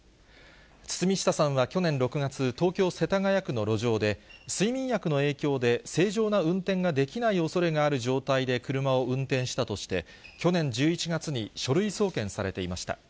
堤下さんは去年６月、東京・世田谷区の路上で、睡眠薬の影響で、正常な運転ができないおそれがある状態で車を運転したとして、去年１１月に書類送検されていました。